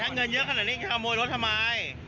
ถ้าเงินเยอะขนาดนี้ถ้ามอร่อยรถทำไม